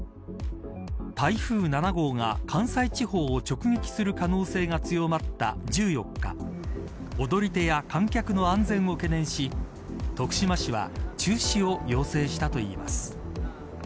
台風７号が関西地方を直撃する可能性が強まった１４日踊り手や観客の安全を懸念し徳島市は中止を要請しました。